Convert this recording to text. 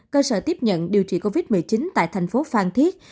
cơ sở tiếp nhận điều trị covid một mươi chín tại thành phố phan thiết